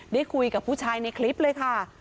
ได้คุยกับผู้ชายในคลิปเลยค่ะ